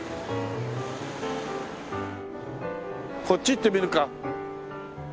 こっち行ってみるか。